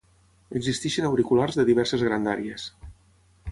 Existeixen auriculars de diverses grandàries.